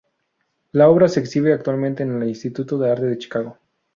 La obra se exhibe actualmente en el Instituto de Arte de Chicago.